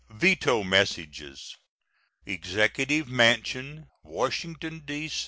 ] VETO MESSAGES. EXECUTIVE MANSION, _Washington, D.